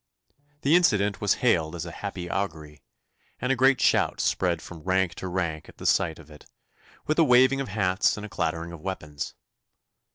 The incident was hailed as a happy augury, and a great shout spread from rank to rank at the sight of it, with a waving of hats and a clattering of weapons.